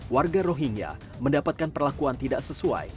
warga rohingya mendapatkan perlakuan tidak sesuai